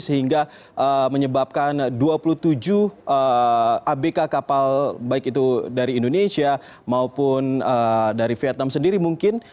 sehingga menyebabkan dua puluh tujuh abk kapal baik itu dari indonesia maupun dari vietnam sendiri mungkin